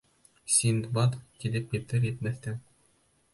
Синдбад килеп етер-етмәҫтән: